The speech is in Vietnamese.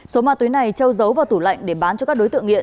số ma túy này châu giấu vào tủ lạnh để bán cho các đối tượng nghiện